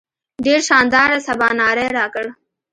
ډېر شانداره سباناری راکړ.